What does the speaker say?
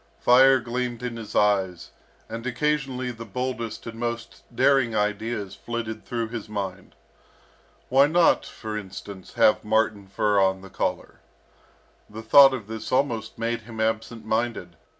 Fire gleamed in his eyes, and occasionally the boldest and most daring ideas flitted through his mind. Why not, for instance, have marten fur on the collar? The thought of this almost made him absent minded.